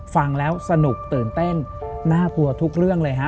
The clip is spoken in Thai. ฟังแล้วสนุกตื่นเต้นน่ากลัวทุกเรื่องเลยฮะ